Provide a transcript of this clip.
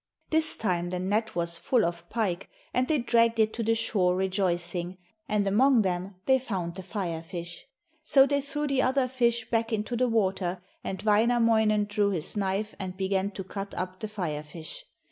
This time the net was full of pike, and they dragged it to the shore rejoicing, and among them they found the Fire fish. So they threw the other fish back into the water, and Wainamoinen drew his knife and began to cut up the Fire fish.